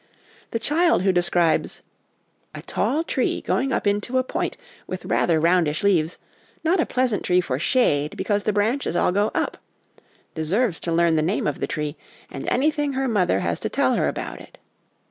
The child who describes, ' A tall tree, going up into a point, with rather roundish leaves ; not a pleasant tree for shade, because the branches all go up/ deserves to learn the name of the tree, and anything her mother has to tell her about it.